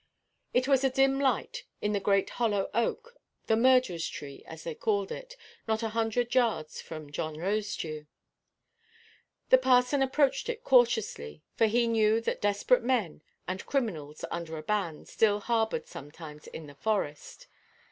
It was a dim light in the great hollow oak, "the Murdererʼs Tree," as they called it, not a hundred yards from John Rosedew. The parson approached it cautiously, for he knew that desperate men, and criminals under a ban, still harboured sometimes in the Forest.